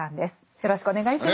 よろしくお願いします。